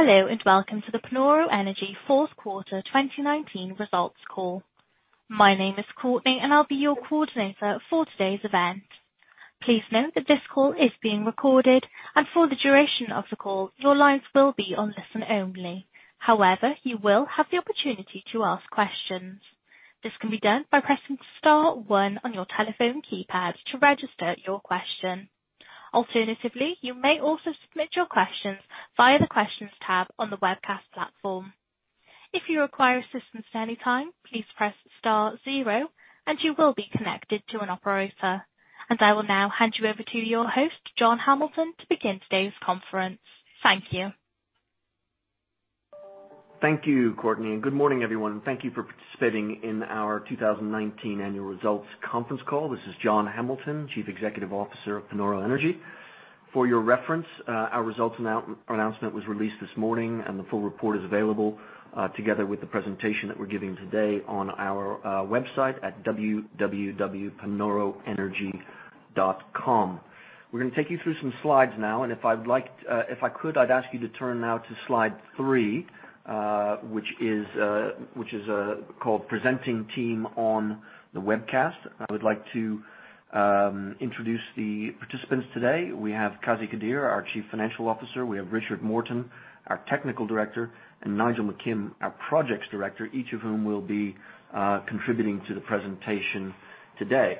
Hello, and welcome to the Panoro Energy Fourth Quarter 2019 Results Call. My name is Courtney, and I'll be your coordinator for today's event. Please note that this call is being recorded, and for the duration of the call, your lines will be on listen only. However, you will have the opportunity to ask questions. This can be done by pressing star one on your telephone keypad to register your question. Alternatively, you may also submit your questions via the Questions tab on the webcast platform. If you require assistance at any time, please press star zero and you will be connected to an operator. I will now hand you over to your host, John Hamilton, to begin today's conference. Thank you. Thank you, Courtney. Good morning, everyone. Thank you for participating in our 2019 annual results conference call. This is John Hamilton, Chief Executive Officer of Panoro Energy. For your reference, our results announcement was released this morning, and the full report is available, together with the presentation that we're giving today on our website at www.panoroenergy.com. We're going to take you through some slides now, and if I could, I'd ask you to turn now to Slide three, which is called Presenting Team on the Webcast. I would like to introduce the participants today- we have Qazi Qadeer, our Chief Financial Officer, we have Richard Morton, our Technical Director, and Nigel McKim, our Projects Director, each of whom will be contributing to the presentation today.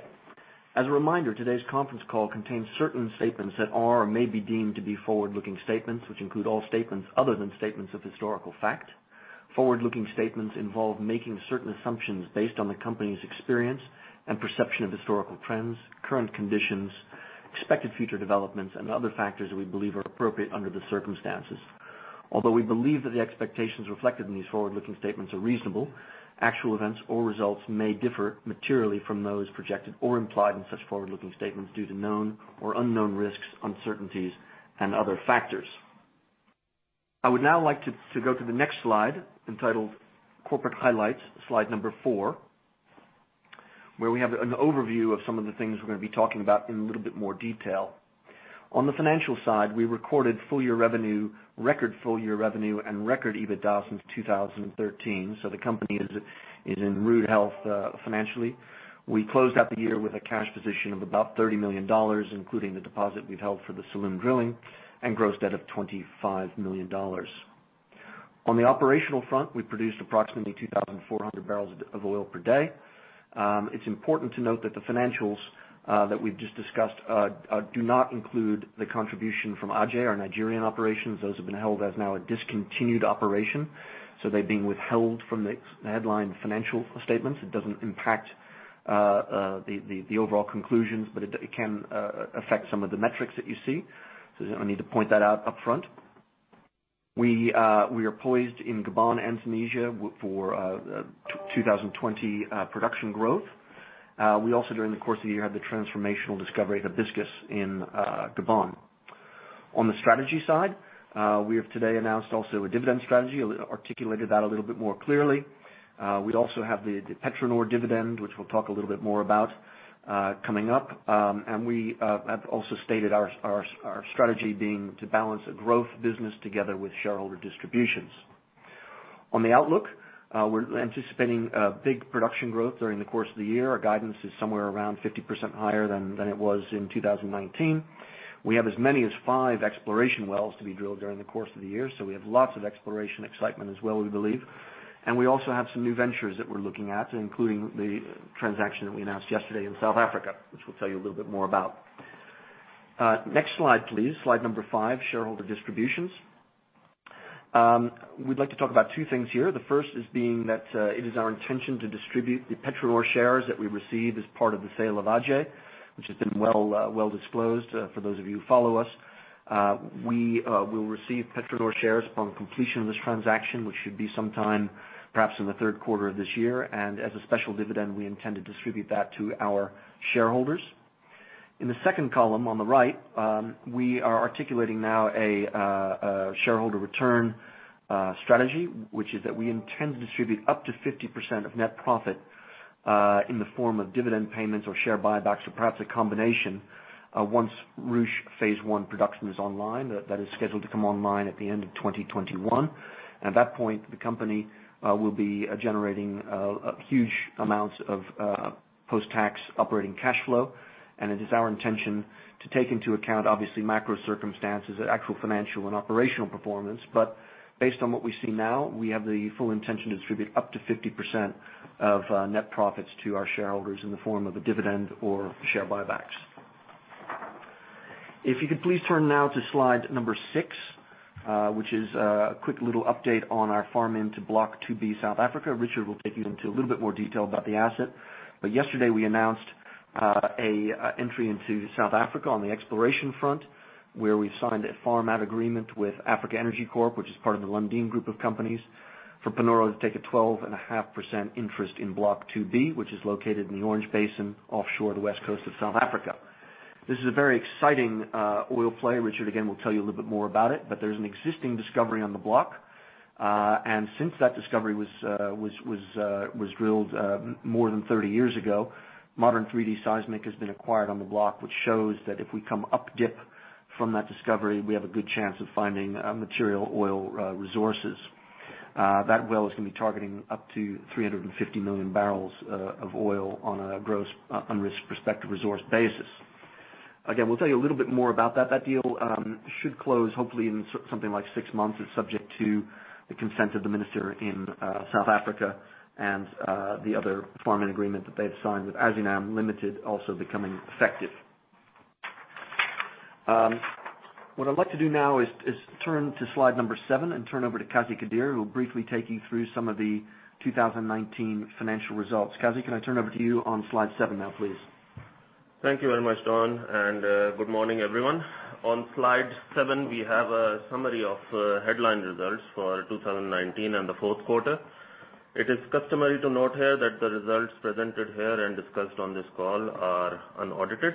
As a reminder, today's conference call contains certain statements that are or may be deemed to be forward-looking statements, which include all statements other than statements of historical fact. Forward-looking statements involve making certain assumptions based on the company's experience and perception of historical trends, current conditions, expected future developments, and other factors we believe are appropriate under the circumstances. Although we believe that the expectations reflected in these forward-looking statements are reasonable, actual events or results may differ materially from those projected or implied in such forward-looking statements due to known or unknown risks, uncertainties, and other factors. I would now like to go to the next slide, entitled Corporate Highlights, slide number four, where we have an overview of some of the things we're going to be talking about in a little bit more detail. On the financial side, we recorded record full-year revenue and record EBITDA since 2013, so the company is in rude health financially. We closed out the year with a cash position of about $30 million, including the deposit we've held for the Salloum drilling and gross debt of $25 million. On the operational front, we produced approximately 2,400 BOPD. It's important to note that the financials that we've just discussed do not include the contribution from Aje, our Nigerian operations. Those have been held as now a discontinued operation. They're being withheld from the headline financial statements. It doesn't impact the overall conclusions, but it can affect some of the metrics that you see. I need to point that out up front. We are poised in Gabon and Tunisia for 2020 production growth. We also, during the course of the year, had the transformational discovery- Hibiscus in Gabon. On the strategy side, we have today announced also a dividend strategy, articulated that a little bit more clearly. We also have the PetroNor dividend, which we'll talk a little bit more about coming up. We have also stated our strategy being to balance a growth business together with shareholder distributions. On the outlook, we're anticipating a big production growth during the course of the year. Our guidance is somewhere around 50% higher than it was in 2019. We have as many as five exploration wells to be drilled during the course of the year, so we have lots of exploration excitement as well, we believe. We also have some new ventures that we're looking at, including the transaction that we announced yesterday in South Africa, which we'll tell you a little bit more about. Next slide, please. Slide number five, shareholder distributions. We'd like to talk about two things here. The first is being that it is our intention to distribute the PetroNor shares that we received as part of the sale of Aje, which has been well disclosed for those of you who follow us. We will receive PetroNor shares upon completion of this transaction, which should be sometime perhaps in the third quarter of this year. As a special dividend, we intend to distribute that to our shareholders. In the second column on the right, we are articulating now a shareholder return strategy, which is that we intend to distribute up to 50% of net profit, in the form of dividend payments or share buybacks, or perhaps a combination, once Ruche Phase I production is online. That is scheduled to come online at the end of 2021. At that point, the company will be generating huge amounts of post-tax operating cash flow. It is our intention to take into account, obviously, macro circumstances and actual financial and operational performance. Based on what we see now, we have the full intention to distribute up to 50% of net profits to our shareholders in the form of a dividend or share buybacks. If you could please turn now to slide number six, which is a quick little update on our farm into Block 2B South Africa. Richard will take you into a little bit more detail about the asset. Yesterday, we announced an entry into South Africa on the exploration front, where we signed a farm out agreement with Africa Energy Corp, which is part of the Lundin Group of companies, for Panoro to take a 12.5% interest in Block 2B, which is located in the Orange Basin offshore the West Coast of South Africa. This is a very exciting oil play. Richard, again, will tell you a little bit more about it, but there's an existing discovery on the block. Since that discovery was drilled more than 30 years ago, modern 3D seismic has been acquired on the block, which shows that if we come up dip from that discovery, we have a good chance of finding material oil resources. That well is going to be targeting up to 350 million barrels of oil on a gross unrisked prospective resource basis. Again, we'll tell you a little bit more about that- that deal should close hopefully in something like six months, it is subject to the consent of the minister in South Africa and the other farming agreement that they have signed with Azinam Limited also becoming effective. What I would like to do now is turn to slide number seven and turn over to Qazi Qadeer, who will briefly take you through some of the 2019 financial results. Qazi, can I turn over to you on slide seven now, please? Thank you very much, John, and good morning, everyone. On slide seven, we have a summary of headline results for 2019 and the fourth quarter. It is customary to note here that the results presented here and discussed on this call are unaudited.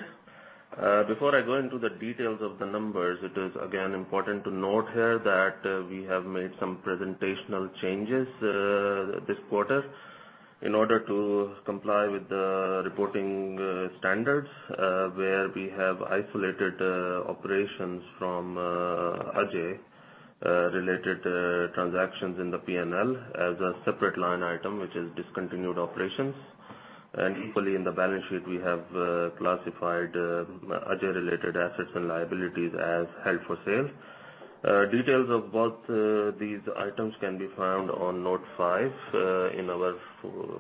Before I go into the details of the numbers, it is, again, important to note here that we have made some presentational changes this quarter in order to comply with the reporting standards, where we have isolated operations from Aje-related transactions in the P&L as a separate line item, which is discontinued operations. Equally, in the balance sheet, we have classified Aje-related assets and liabilities as held for sale. Details of both these items can be found on note five in our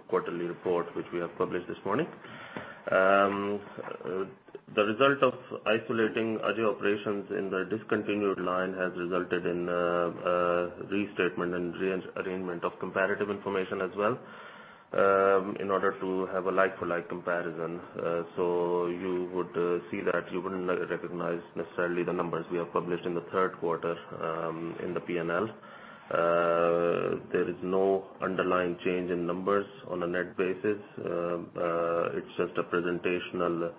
quarterly report, which we have published this morning. The result of isolating Aje operations in the discontinued line has resulted in a restatement and rearrangement of comparative information as well, in order to have a like-for-like comparison. You would see that you wouldn't recognize necessarily the numbers we have published in the third quarter in the P&L. There is no underlying change in numbers on a net basis. It's just a presentational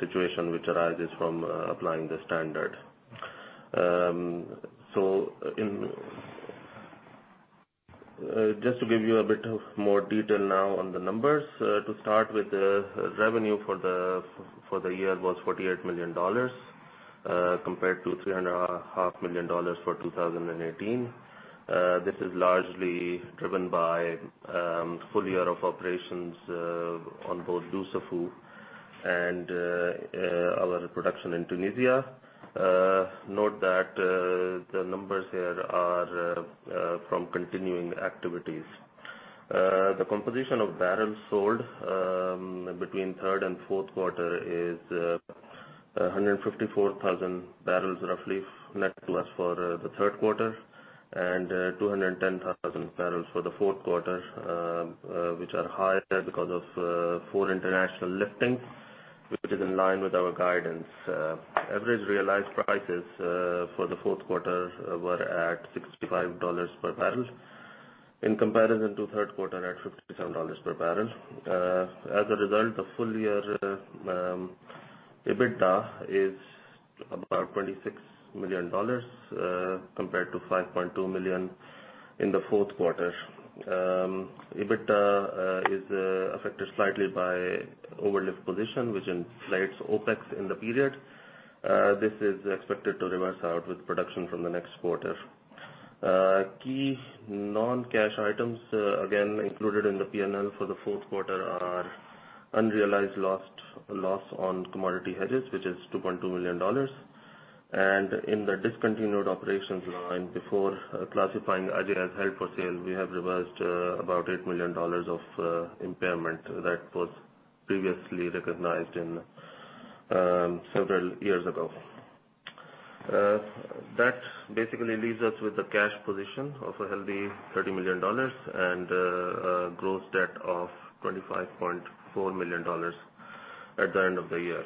situation which arises from applying the standard. Just to give you a bit of more detail now on the numbers. To start with, the revenue for the year was $48 million, compared to $3.5 million for 2018. This is largely driven by a full year of operations on both Dussafu and our production in Tunisia. Note that the numbers here are from continuing activities. The composition of barrels sold between third and fourth quarter is 154,000 barrels, roughly, net plus for the third quarter, and 210,000 barrels for the fourth quarter, which are higher because of four international lifting, which is in line with our guidance. Average realized prices for the fourth quarter were at $65 per barrel, in comparison to the third quarter at $57 per barrel. As a result, the full-year EBITDA is about $26 million, compared to $5.2 million in the fourth quarter. EBITDA is affected slightly by overlift position, which inflates OPEX in the period. This is expected to reverse out with production from the next quarter. Key non-cash items, again, included in the P&L for the fourth quarter are unrealized loss on commodity hedges, which is $2.2 million. In the discontinued operations line, before classifying Aje as held for sale, we have reversed about $8 million of impairment that was previously recognized several years ago. That basically leaves us with a cash position of a healthy $30 million and a gross debt of $25.4 million at the end of the year.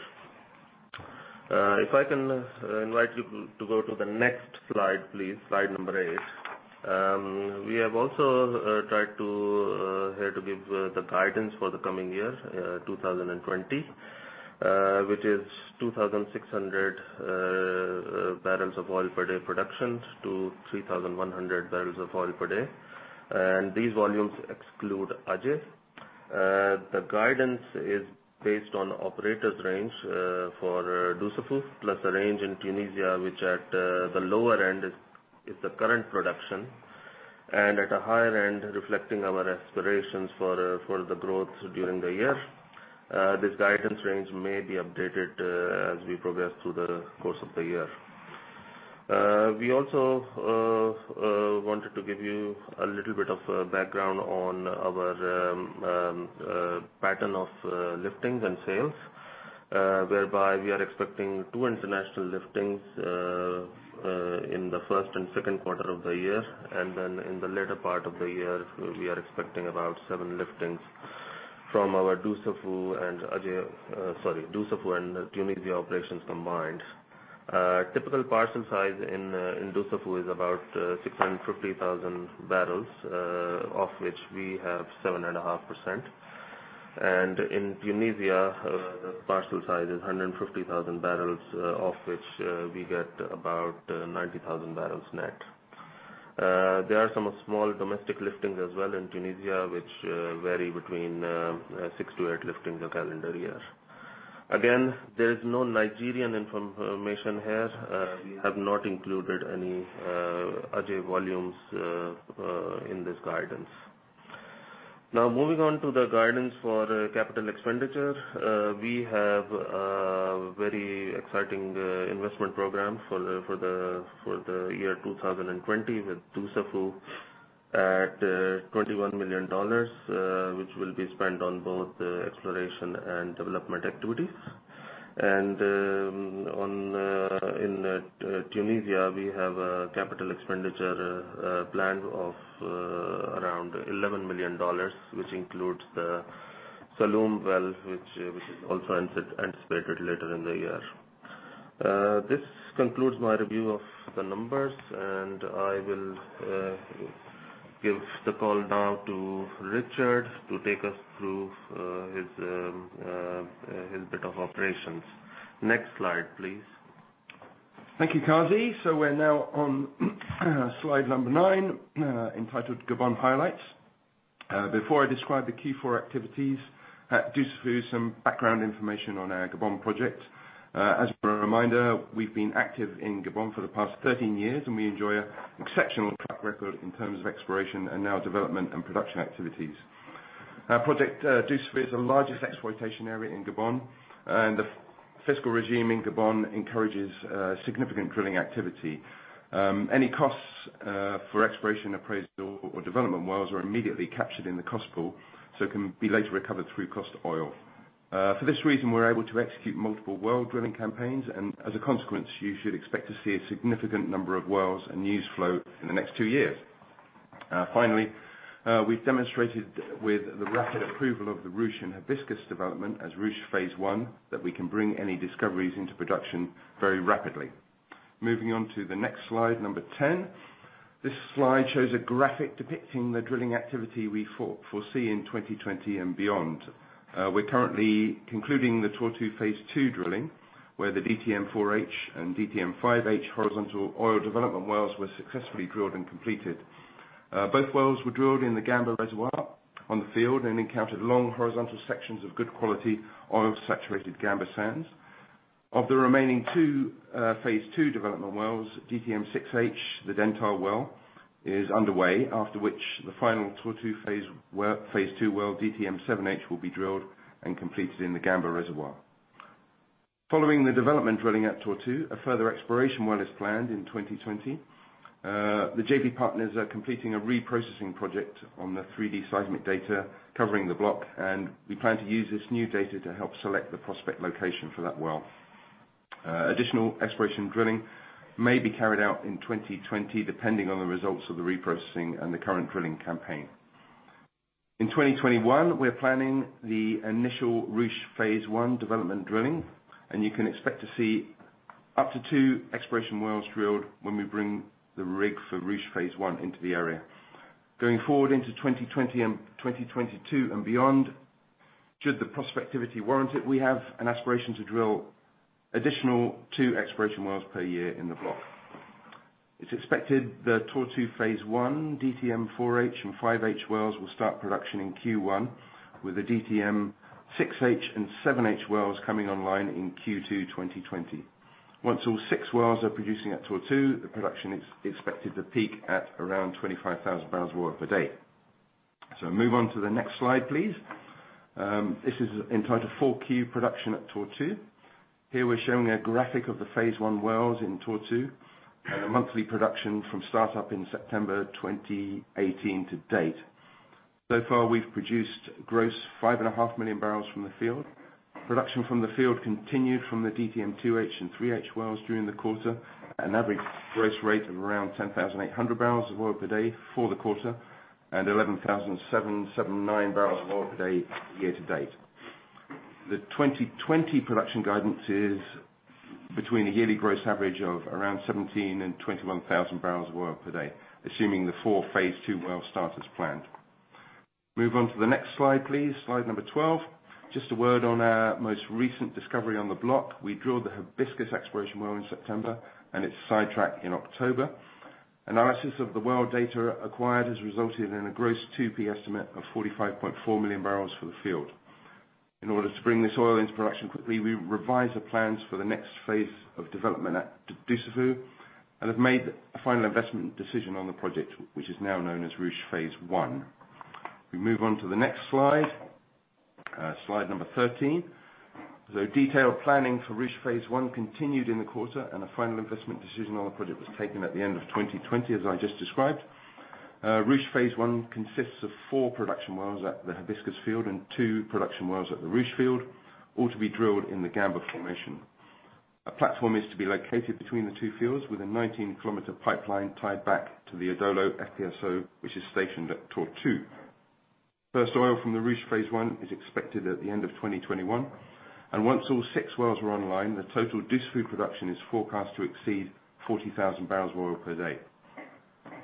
If I can invite you to go to the next slide, please, slide number eight. We have also tried here to give the guidance for the coming year, 2020, which is 2,600 BOPD productions to 3,100 BOPD. These volumes exclude Aje. The guidance is based on operators' range for Dussafu, plus the range in Tunisia, which at the lower end is the current production, and at a higher end, reflecting our aspirations for the growth during the year. This guidance range may be updated as we progress through the course of the year. We also wanted to give you a little bit of background on our pattern of liftings and sales, whereby we are expecting two international liftings in the first and second quarter of the year. In the later part of the year, we are expecting about seven liftings from our Dussafu and Aje- Sorry, Dussafu and Tunisia operations combined. Typical parcel size in Dussafu is about 650,000 barrels, of which we have 7.5%. In Tunisia, the parcel size is 150,000 barrels, of which we get about 90,000 barrels net. There are some small domestic liftings as well in Tunisia, which vary between six to eight liftings a calendar year. Again, there is no Nigerian information here. We have not included any Aje volumes in this guidance. Now, moving on to the guidance for capital expenditure. We have a very exciting investment program for the year 2020 with Dussafu at $21 million, which will be spent on both exploration and development activities. In Tunisia, we have a capital expenditure plan of around $11 million, which includes the Salloum wells, which is also anticipated later in the year. This concludes my review of the numbers, and I will give the call now to Richard to take us through his bit of operations. Next slide, please. Thank you, Qazi. We're now on slide number nine, entitled Gabon Highlights. Before I describe the Q4 activities at Dussafu, some background information on our Gabon project. As a reminder, we've been active in Gabon for the past 13 years, and we enjoy an exceptional track record in terms of exploration and now development and production activities. Our project, Dussafu, is the largest exploitation area in Gabon, and the fiscal regime in Gabon encourages significant drilling activity. Any costs for exploration, appraisal, or development wells are immediately captured in the cost pool, so can be later recovered through cost oil. For this reason, we're able to execute multiple well drilling campaigns, and as a consequence, you should expect to see a significant number of wells and news flow in the next two years. Finally, we've demonstrated with the rapid approval of the Ruche and Hibiscus development as Ruche Phase I, that we can bring any discoveries into production very rapidly. Moving on to the next slide, number 10. This slide shows a graphic depicting the drilling activity we foresee in 2020 and beyond. We're currently concluding the Tortue Phase II drilling, where the DTM-4H and DTM-5H horizontal oil development wells were successfully drilled and completed. Both wells were drilled in the Gamba reservoir on the field and encountered long horizontal sections of good quality oil-saturated Gamba sands. Of the remaining two Phase II development wells, DTM-6H, the Dentale well, is underway, after which the final Tortue Phase II well, DTM-7H, will be drilled and completed in the Gamba reservoir. Following the development drilling at Tortue, a further exploration well is planned in 2020. The JV partners are completing a reprocessing project on the 3D seismic data covering the block, and we plan to use this new data to help select the prospect location for that well. Additional exploration drilling may be carried out in 2020, depending on the results of the reprocessing and the current drilling campaign. In 2021, we're planning the initial Ruche Phase I development drilling, and you can expect to see up to two exploration wells drilled when we bring the rig for Ruche Phase I into the area. Going forward into 2020 and 2022 and beyond, should the prospectivity warrant it, we have an aspiration to drill additional two exploration wells per year in the block. It's expected the Tortue Phase I DTM-4H and 5H wells will start production in Q1, with the DTM-6H and 7H wells coming online in Q2 2020. Once all six wells are producing at Tortue, the production is expected to peak at around 25,000 BOPD. Move on to the next slide, please. This is entitled 4Q Production at Tortue. Here we're showing a graphic of the Phase I wells in Tortue and the monthly production from start-up in September 2018 to date. So far, we've produced gross 5.5 million barrels from the field. Production from the field continued from the DTM-2H and 3H wells during the quarter at an average gross rate of around 10,800 BOPD for the quarter and 11,779 BOPD year-to-date. The 2020 production guidance is between a yearly gross average of around 17,000 and 21,000 BOPD, assuming the four Phase Two wells start as planned. Move on to the next slide, please. Slide number 12. Just a word on our most recent discovery on the block. We drilled the Hibiscus exploration well in September and its sidetrack in October. Analysis of the well data acquired has resulted in a gross 2P estimate of 45.4 million barrels for the field. In order to bring this oil into production quickly, we revised the plans for the next phase of development at Dussafu and have made a final investment decision on the project, which is now known as Ruche Phase I. We move on to the next slide. Slide number 13. The detailed planning for Ruche Phase I continued in the quarter, and a final investment decision on the project was taken at the end of 2020, as I just described. Ruche Phase I consists of four production wells at the Hibiscus field and two production wells at the Ruche field, all to be drilled in the Gamba formation. A platform is to be located between the two fields with a 19-kilometer pipeline tied back to the Adolo FPSO, which is stationed at Tortue. First oil from the Ruche Phase I is expected at the end of 2021. Once all six wells are online, the total Dussafu production is forecast to exceed 40,000 BOPD.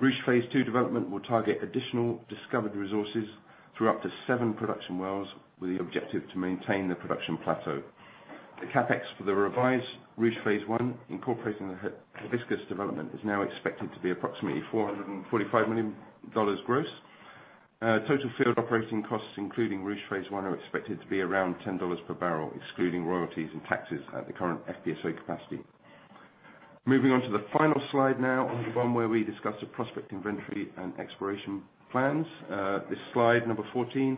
Ruche Phase II development will target additional discovered resources through up to 7 production wells, with the objective to maintain the production plateau. The CapEx for the revised Ruche Phase I, incorporating the Hibiscus development, is now expected to be approximately $445 million gross. Total field operating costs, including Ruche Phase I, are expected to be around $10 per barrel, excluding royalties and taxes at the current FPSO capacity. Moving on to the final slide now on Gabon, where we discuss the prospect inventory and exploration plans. This slide, number 14,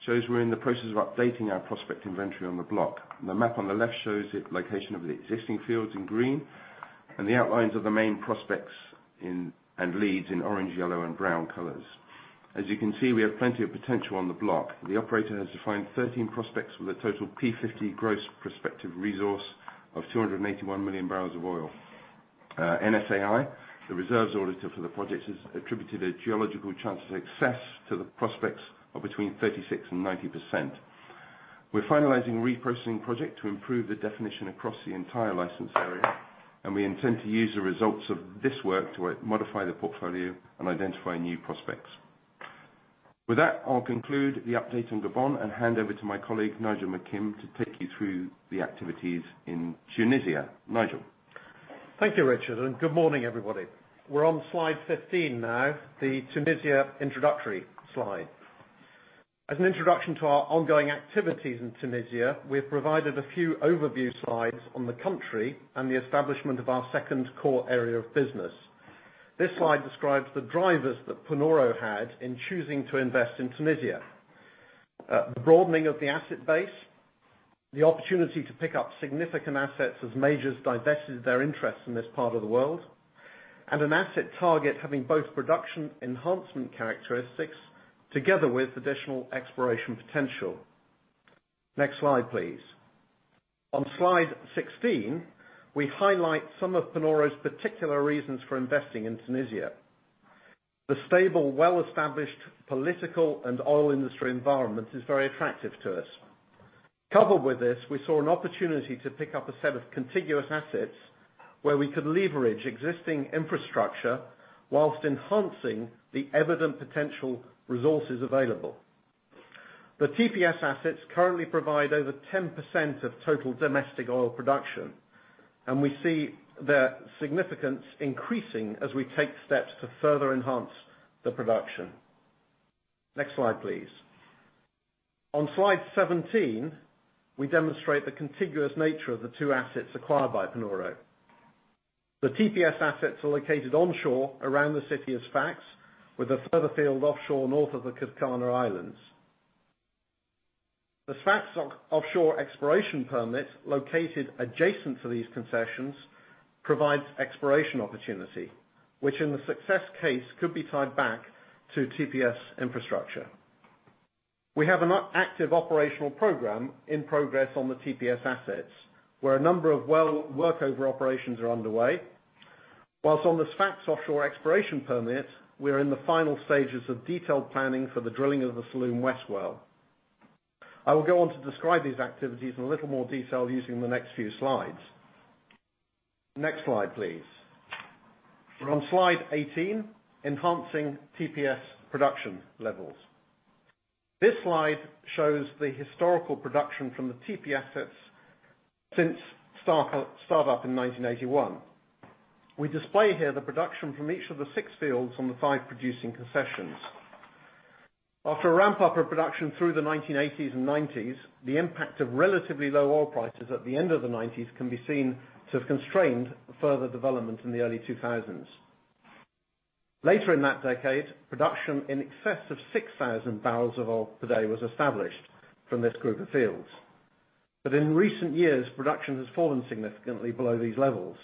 shows we are in the process of updating our prospect inventory on the block. The map on the left shows the location of the existing fields in green and the outlines of the main prospects and leads in orange, yellow, and brown colors. As you can see, we have plenty of potential on the block. The operator has defined 13 prospects with a total P50 gross prospective resource of 281 million barrels of oil. NSAI, the reserves auditor for the project, has attributed a geological chance of success to the prospects of between 36% and 90%. We're finalizing a re-processing project to improve the definition across the entire license area, and we intend to use the results of this work to modify the portfolio and identify new prospects. With that, I'll conclude the update on Gabon and hand over to my colleague, Nigel McKim, to take you through the activities in Tunisia. Nigel? Thank you, Richard. Good morning, everybody. We're on slide 15 now, the Tunisia introductory slide. As an introduction to our ongoing activities in Tunisia, we have provided a few overview slides on the country and the establishment of our second core area of business. This slide describes the drivers that Panoro had in choosing to invest in Tunisia. The broadening of the asset base, the opportunity to pick up significant assets as majors divested their interest in this part of the world, and an asset target having both production enhancement characteristics together with additional exploration potential. Next slide, please. On slide 16, we highlight some of Panoro's particular reasons for investing in Tunisia. The stable, well-established political and oil industry environment is very attractive to us. Coupled with this, we saw an opportunity to pick up a set of contiguous assets where we could leverage existing infrastructure whilst enhancing the evident potential resources available. The TPS assets currently provide over 10% of total domestic oil production, and we see their significance increasing as we take steps to further enhance the production. Next slide, please. On slide 17, we demonstrate the contiguous nature of the two assets acquired by Panoro. The TPS assets are located onshore around the city of Sfax, with a further field offshore north of the Kerkennah Islands. The Sfax Offshore Exploration Permit, located adjacent to these concessions, provides exploration opportunity, which in the success case could be tied back to TPS infrastructure. We have an active operational program in progress on the TPS assets, where a number of well workover operations are underway. Whilst on the Sfax Offshore Exploration Permit, we are in the final stages of detailed planning for the drilling of the Salloum West well. I will go on to describe these activities in a little more detail using the next few slides. Next slide, please. We're on slide 18, enhancing TPS production levels. This slide shows the historical production from the TPS assets since startup in 1981. We display here the production from each of the six fields on the five producing concessions. After a ramp-up of production through the 1980s and 1990s, the impact of relatively low oil prices at the end of the 1990s can be seen to have constrained further development in the early 2000s. Later in that decade, production in excess of 6,000 BOPD was established from this group of fields. In recent years, production has fallen significantly below these levels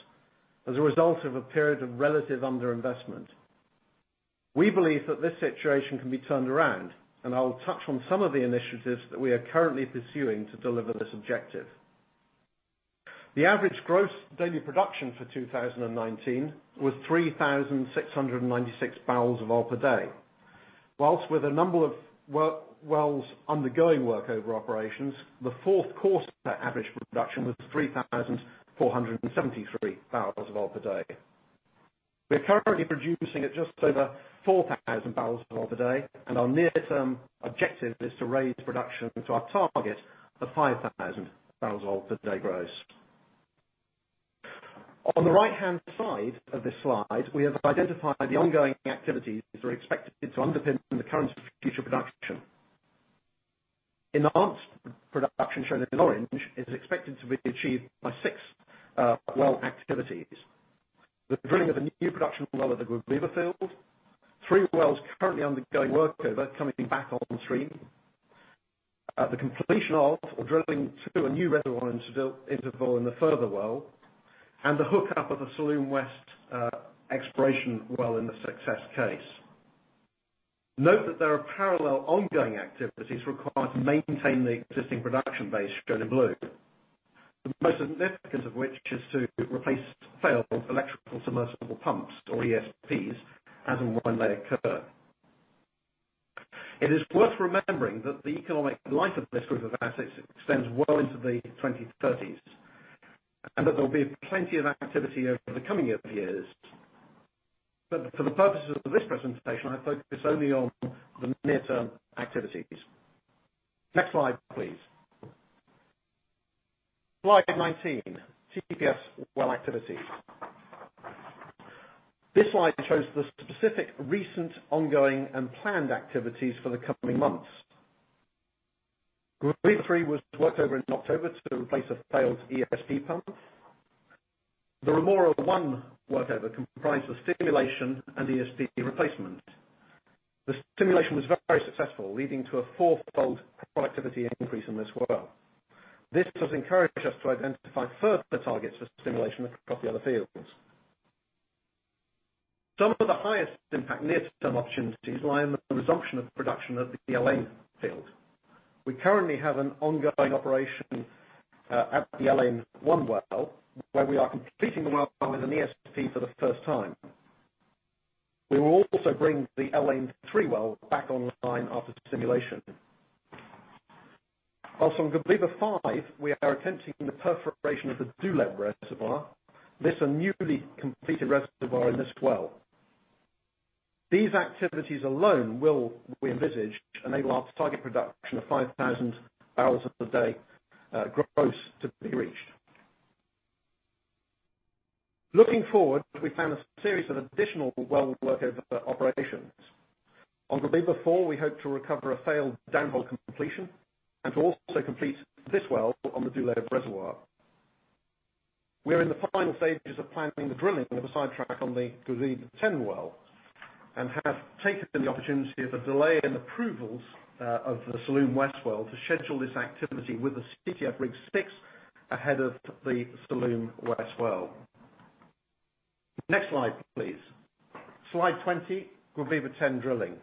as a result of a period of relative underinvestment. We believe that this situation can be turned around, and I will touch on some of the initiatives that we are currently pursuing to deliver this objective. The average gross daily production for 2019 was 3,696 BOPD. Whilst with a number of wells undergoing workover operations, the fourth quarter average production was 3,473 BOPD. We are currently producing at just over 4,000 BOPD, and our near-term objective is to raise production to our target of 5,000 BOPD gross. On the right-hand side of this slide, we have identified the ongoing activities that are expected to underpin the current and future production. Enhanced production, shown in orange, is expected to be achieved by six well activities. The drilling of a new production well at the Guebiba field, three wells currently undergoing workover coming back on stream, the completion of or drilling to a new reservoir interval in the further well, and the hookup of the Salloum West exploration well in the success case. Note that there are parallel ongoing activities required to maintain the existing production base, shown in blue. The most significant of which is to replace failed electrical submersible pumps, or ESPs, as and when they occur. It is worth remembering that the economic life of this group of assets extends well into the 2030s, and that there will be plenty of activity over the coming years. For the purposes of this presentation, I focus only on the near-term activities. Next slide, please. Slide 19, TPS well activities. This slide shows the specific recent, ongoing, and planned activities for the coming months. GUE-3 was worked over in October to replace a failed ESP pump. The Rhemoura-1 workover comprised of stimulation and ESP replacement. The stimulation was very successful, leading to a fourfold productivity increase in this well. This has encouraged us to identify further targets for stimulation across the other fields. Some of the highest impact near-term opportunities lie in the resumption of production at the El Ain field. We currently have an ongoing operation at the El Ain-1 well, where we are completing the well with an ESP for the first time. We will also bring the El Ain-3 well back online after stimulation. Whilst on Guebiba-5, we are attempting the perforation of the Douleb reservoir, this a newly completed reservoir in this well. These activities alone will, we envisage, enable us to target production of 5,000 barrels a day gross to be reached. Looking forward, we found a series of additional well workover operations. On Guebiba-4, we hope to recover a failed downhole completion and to also complete this well on the Douleb reservoir. We are in the final stages of planning the drilling of a sidetrack on the Guebiba-10 well, and have taken the opportunity of a delay in approvals of the Salloum West well to schedule this activity with the CTF Rig 06 ahead of the Salloum West well. Next slide, please. Slide 20, Guebiba-10 drilling.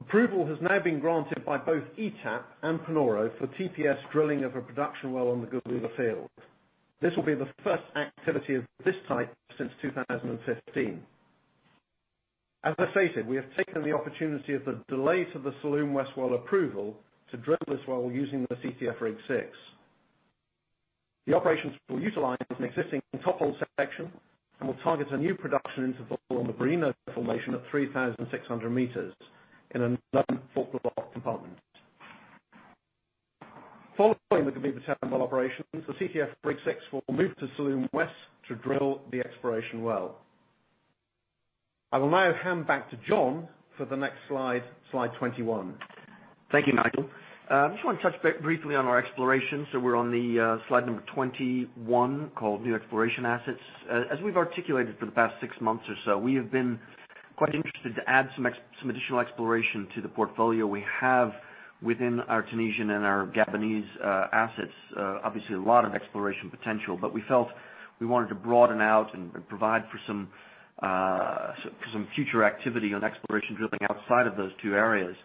Approval has now been granted by both ETAP and Panoro for TPS drilling of a production well on the Guebiba field. This will be the first activity of this type since 2015. As I stated, we have taken the opportunity of the delay to the Salloum West well approval to drill this well using the CTF Rig 06. The operations will utilize an existing top hole section and will target a new production interval on the Bireno formation at 3,600 meters in an unknown fault block compartment. Following the Guebiba-10 well operations, the CTF Rig 06 will move to Salloum West to drill the exploration well. I will now hand back to John for the next slide 21. Thank you, Nigel. I just want to touch briefly on our exploration. We're on the slide number 21, called New Exploration Assets. As we've articulated for the past six months or so, we have been quite interested to add some additional exploration to the portfolio we have within our Tunisian and our Gabonese assets. Obviously, a lot of exploration potential. We felt we wanted to broaden out and provide for some future activity on exploration drilling outside of those two areas.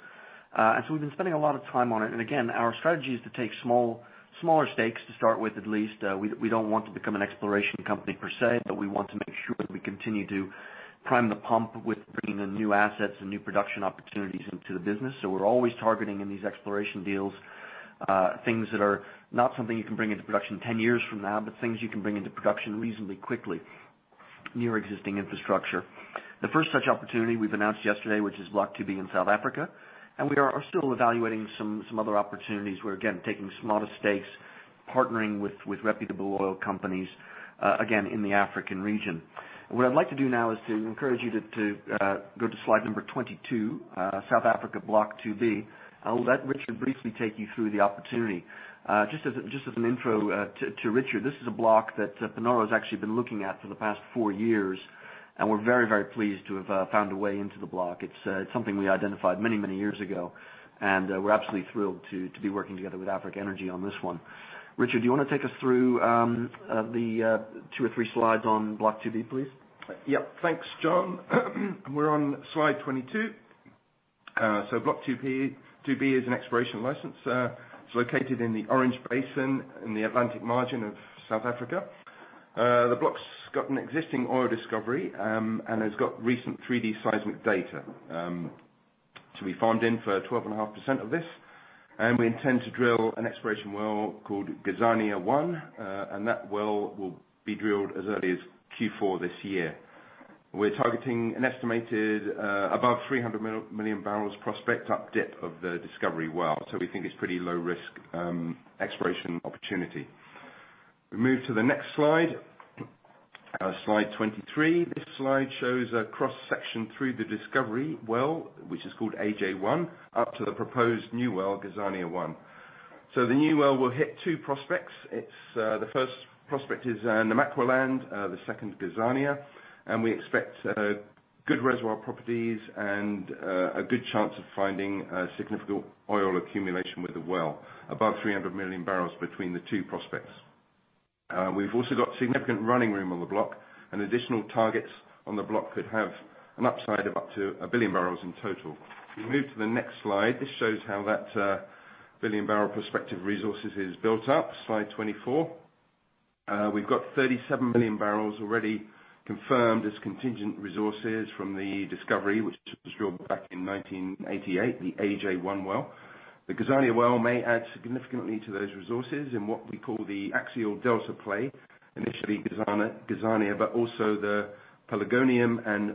We've been spending a lot of time on it. Again, our strategy is to take smaller stakes to start with at least. We don't want to become an exploration company per se. We want to make sure that we continue to prime the pump with bringing in new assets and new production opportunities into the business. We're always targeting in these exploration deals things that are not something you can bring into production 10 years from now, but things you can bring into production reasonably quickly near existing infrastructure. The first such opportunity we've announced yesterday, which is Block 2B in South Africa. We are still evaluating some other opportunities. We're, again, taking smaller stakes, partnering with reputable oil companies, again, in the African region. What I'd like to do now is to encourage you to go to slide number 22, South Africa Block 2B. I will let Richard briefly take you through the opportunity. Just as an intro to Richard, this is a block that Panoro's actually been looking at for the past four years. We're very pleased to have found a way into the block. It's something we identified many years ago, and we're absolutely thrilled to be working together with Africa Energy on this one. Richard, do you want to take us through the two or three slides on Block 2B, please? Yep. Thanks, John. We're on slide 22. Block 2B is an exploration license. It's located in the Orange Basin in the Atlantic margin of South Africa. The block's got an existing oil discovery, and has got recent 3D seismic data. We farmed in for 12.5% of this, and we intend to drill an exploration well called Gazania-1. That well will be drilled as early as Q4 this year. We're targeting an estimated above 300 million barrels prospect up dip of the discovery well. We think it's pretty low risk exploration opportunity. We move to the next slide- slide 23. This slide shows a cross-section through the discovery well, which is called A-J 1, up to the proposed new well, Gazania-1. The new well will hit two prospects. The first prospect is Namaqualand, the second, Gazania. We expect good reservoir properties and a good chance of finding a significant oil accumulation with the well above 300 million barrels between the two prospects. We've also got significant running room on the block and additional targets on the block could have an upside of up to 1 billion barrels in total. We move to the next slide. This shows how that 1 billion-barrel prospective resources is built up. Slide 24. We've got 37 million barrels already confirmed as contingent resources from the discovery, which was drilled back in 1988, the A-J 1 well. The Gazania well may add significantly to those resources in what we call the Axial Delta play. Initially Gazania, also the Pelargonium and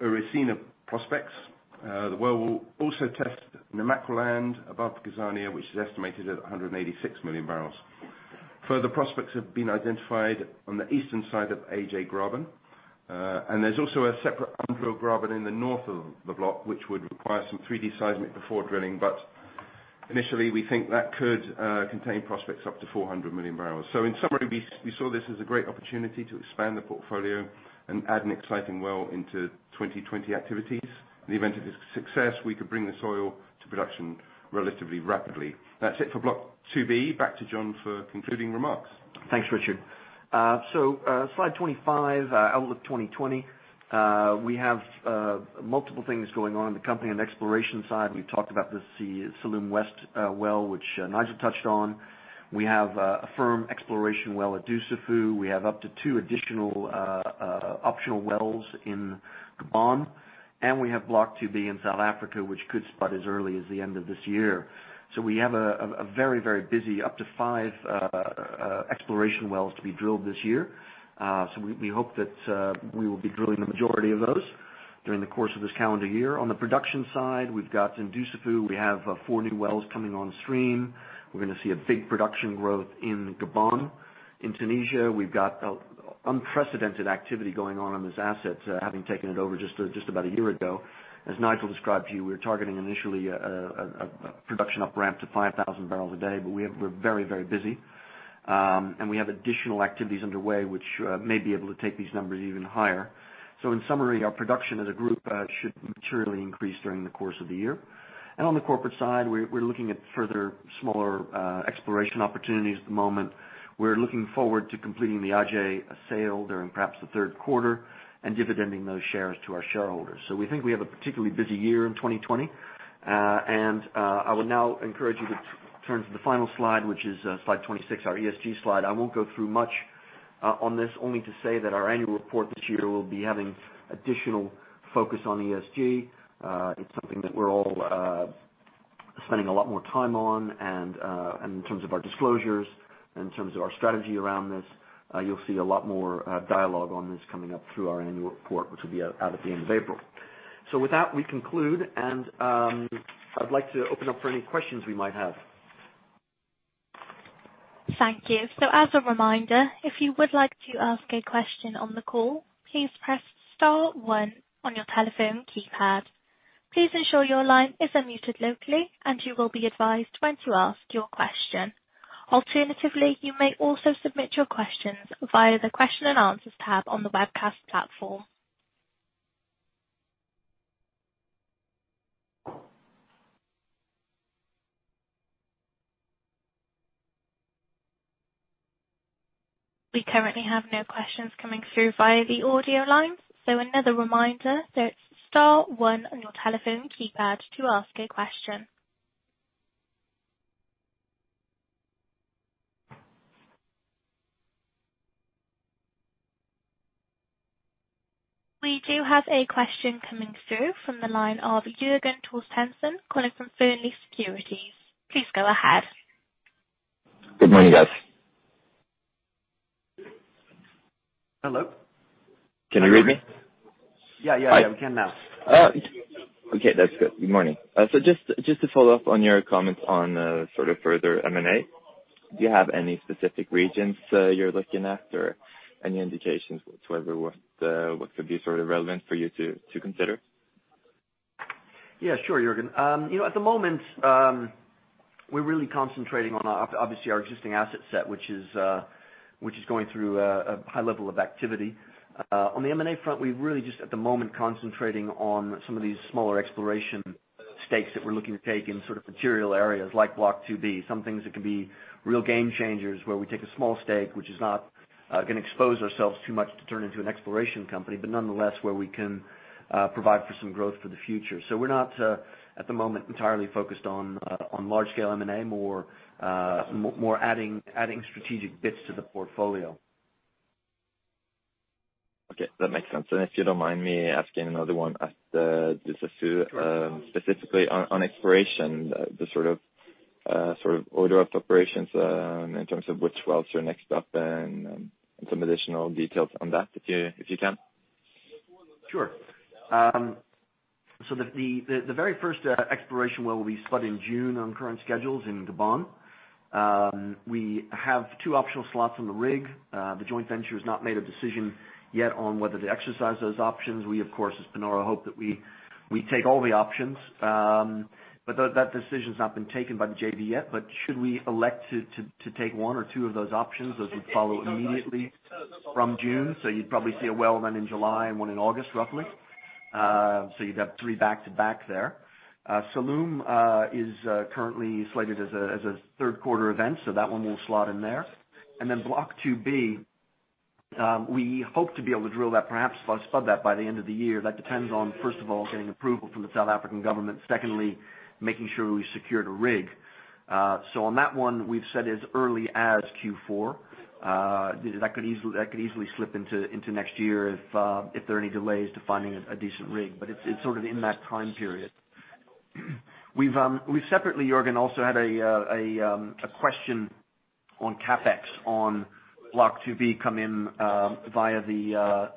Eracina prospects. The well will also test Namaqualand above Gazania, which is estimated at 186 million barrels. Further prospects have been identified on the eastern side of A-J Graben. There's also a separate undrill graben in the north of the block, which would require some 3D seismic before drilling. Initially, we think that could contain prospects up to 400 million barrels. In summary, we saw this as a great opportunity to expand the portfolio and add an exciting well into 2020 activities. In the event of its success, we could bring this oil to production relatively rapidly. That's it for Block 2B. Back to John for concluding remarks. Thanks, Richard. Slide 25, outlook 2020. We have multiple things going on in the company. On the exploration side, we've talked about the Salloum West well, which Nigel touched on. We have a firm exploration well at Dussafu. We have up to two additional optional wells in Gabon, and we have Block 2B in South Africa, which could spud as early as the end of this year. We have a very busy- up to five exploration wells to be drilled this year. We hope that we will be drilling the majority of those during the course of this calendar year. On the production side, in Dussafu we have four new wells coming on stream. We're going to see a big production growth in Gabon. In Tunisia, we've got unprecedented activity going on in this asset, having taken it over just about a year ago. As Nigel described to you, we were targeting initially a production up ramp to 5,000 barrels a day. We're very busy. We have additional activities underway which may be able to take these numbers even higher. In summary, our production as a group should materially increase during the course of the year. On the corporate side, we're looking at further smaller exploration opportunities at the moment. We're looking forward to completing the Aje sale during perhaps the third quarter and dividending those shares to our shareholders. We think we have a particularly busy year in 2020. I would now encourage you to turn to the final slide, which is slide 26, our ESG slide. I won't go through much on this, only to say that our annual report this year will be having additional focus on ESG. It's something that we're all spending a lot more time on. In terms of our disclosures, in terms of our strategy around this, you'll see a lot more dialogue on this coming up through our annual report, which will be out at the end of April. With that, we conclude, and I'd like to open up for any questions we might have. Thank you. As a reminder, if you would like to ask a question on the call, please press star one on your telephone keypad. Please ensure your line is unmuted locally, and you will be advised when to ask your question. Alternatively, you may also submit your questions via the question and answers tab on the webcast platform. We currently have no questions coming through via the audio line, so another reminder that it's star one on your telephone keypad to ask a question. We do have a question coming through from the line of Jørgen Torstensen calling from Fearnley Securities. Please go ahead. Good morning, guys. Hello? Can you hear me? Yeah. We can now. Oh, okay. That's good. Good morning. Just to follow up on your comments on sort of further M&A. Do you have any specific regions you're looking at or any indications whatsoever what could be sort of relevant for you to consider? Sure, Jørgen. At the moment, we're really concentrating on obviously our existing asset set, which is going through a high level of activity. On the M&A front, we really just at the moment concentrating on some of these smaller exploration stakes that we're looking to take in sort of material areas, like Block 2B. Some things that can be real game changers, where we take a small stake, which is not going to expose ourselves too much to turn into an exploration company, but nonetheless, where we can provide for some growth for the future. We're not, at the moment, entirely focused on large scale M&A, more adding strategic bits to the portfolio. Okay. That makes sense. If you don't mind me asking another one at Dussafu- specifically on exploration, the sort of order of operations, in terms of which wells are next up and some additional details on that, if you can. Sure. The very first exploration well will be spud in June on current schedules in Gabon. We have two optional slots on the rig. The joint venture has not made a decision yet on whether to exercise those options. We, of course, as Panoro, hope that we take all the options. That decision's not been taken by the JV yet. Should we elect to take one or two of those options, those would follow immediately from June. You'd probably see a well then in July and one in August, roughly. You'd have three back-to-back there. Salloum is currently slated as a third quarter event, so that one will slot in there. Then Block 2B, we hope to be able to drill that, perhaps spud that by the end of the year. That depends on, first of all, getting approval from the South African government, secondly, making sure we've secured a rig. On that one, we've said as early as Q4. That could easily slip into next year if there are any delays to finding a decent rig, but it's sort of in that time period. We've separately, Jørgen, also had a question on CapEx on Block 2B come in via the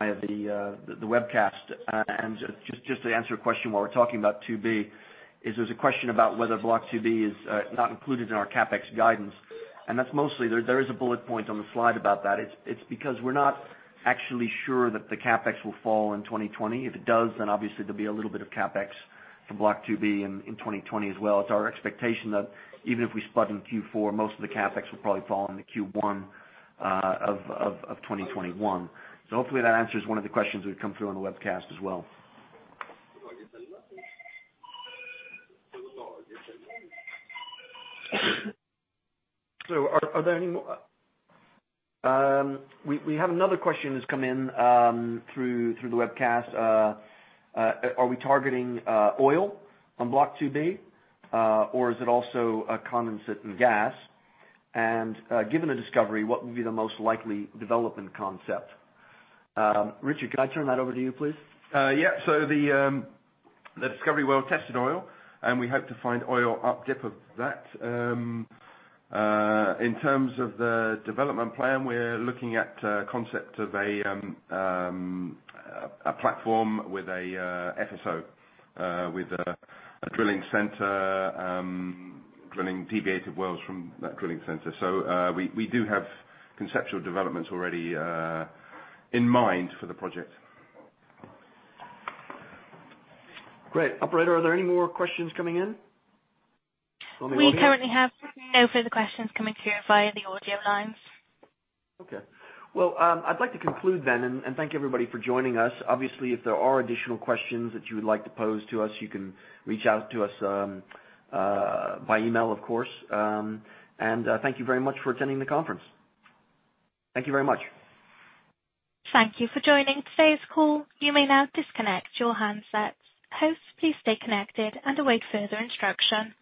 webcast. Just to answer a question while we're talking about 2B, is there's a question about whether Block 2B is not included in our CapEx guidance. That's mostly, there is a bullet point on the slide about that. It's because we're not actually sure that the CapEx will fall in 2020. If it does, then obviously there'll be a little bit of CapEx for Block 2B in 2020 as well. It's our expectation that even if we spud in Q4, most of the CapEx will probably fall into Q1 of 2021. Hopefully that answers one of the questions that have come through on the webcast as well. We have another question that's come in through the webcast. Are we targeting oil on Block 2B or is it also a condensate and gas? Given the discovery, what would be the most likely development concept? Richard, could I turn that over to you, please? Yeah. The discovery well tested oil, and we hope to find oil up dip of that. In terms of the development plan, we're looking at a concept of a platform with a FSO, with a drilling center, drilling deviated wells from that drilling center. We do have conceptual developments already in mind for the project. Great. Operator, are there any more questions coming in for me? We currently have no further questions coming through via the audio lines. Okay. Well, I'd like to conclude then, and thank everybody for joining us. Obviously, if there are additional questions that you would like to pose to us, you can reach out to us by email, of course. Thank you very much for attending the conference. Thank you very much. Thank you for joining today's call. You may now disconnect your handsets. Hosts, please stay connected and await further instruction.